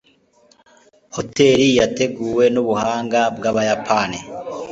hoteri yateguwe nubuhanga bwabayapani